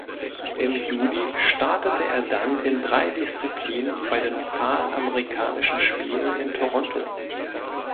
Im Juli startete er dann in drei Disziplinen bei den Panamerikanischen Spielen in Toronto.